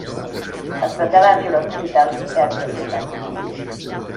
Es traslladà a viure a l'hospital que havia fundat.